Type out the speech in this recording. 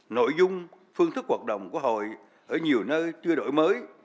nội dung phương thức hoạt động của hội ở nhiều nơi chưa đổi mới